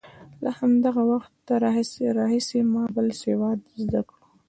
له هماغه وخته راهیسې مې بل سواد زده کړ.